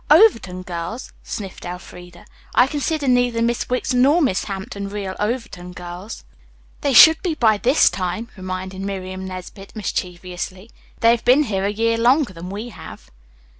"Overton girls!" sniffed Elfreda. "I consider neither Miss Wicks nor Miss Hampton real Overton girls." "They should be by this time," reminded Miriam Nesbit mischievously. "They have been here a year longer than we have."